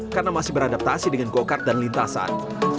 karena masih beradaptasi dengan go kart dan lintasan